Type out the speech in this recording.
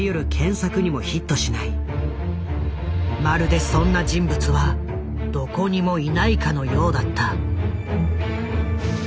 まるでそんな人物はどこにもいないかのようだった。